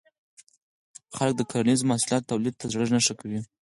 خلک د کرنیزو محصولاتو تولید ته زړه نه ښه کوي.